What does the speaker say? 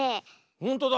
ほんとだ。